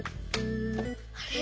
あれ？